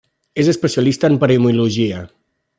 És especialista en paremiologia.